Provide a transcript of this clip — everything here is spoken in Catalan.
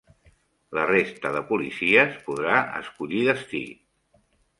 La resta de policies podrà escollir destí